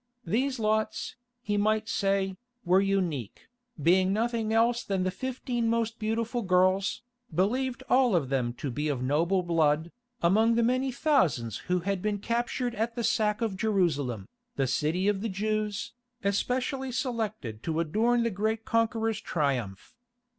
These lots, he might say, were unique, being nothing else than the fifteen most beautiful girls, believed all of them to be of noble blood, among the many thousands who had been captured at the sack of Jerusalem, the city of the Jews, especially selected to adorn the great conqueror's Triumph.